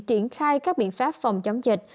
triển khai các biện pháp phòng chống dịch